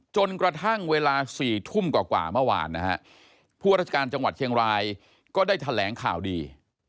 จนกระทั่งเวลา๔ทุ่มกว่าเมื่อวานนะฮะผู้ราชการจังหวัดเชียงรายก็ได้แถลงข่าวดี